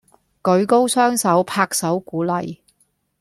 舉高雙手拍手鼓勵